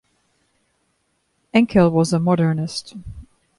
Enckell was a modernist.